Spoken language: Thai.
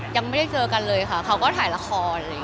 ยังไม่ได้เจอกันเลยค่ะเขาก็ถ่ายละคร